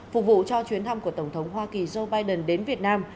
phục vụ cho chuyến thăm của tổng thống hoa kỳ joe biden đến việt nam